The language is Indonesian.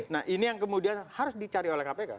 nah ini yang kemudian harus dicari oleh kpk